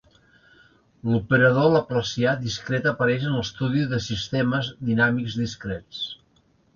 L'operador laplacià discret apareix en l'estudi de sistemes dinàmics discrets.